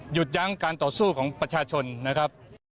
ยั้งการต่อสู้ของประชาชนนะครับ